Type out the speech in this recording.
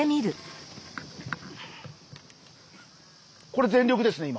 これ全力ですね今。